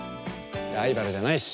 ライバルじゃないし。